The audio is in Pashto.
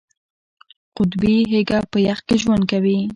قطبي هیږه په یخ کې ژوند کوي